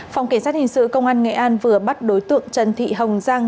phòng cảnh sát hình sự công an nghệ an vừa bắt đối tượng trần thị hồng giang